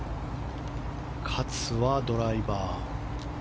勝はドライバー。